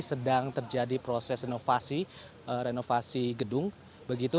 sedang terjadi proses renovasi gedung begitu